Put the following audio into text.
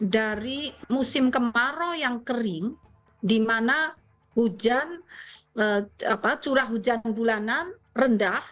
dari musim kemarau yang kering di mana curah hujan bulanan rendah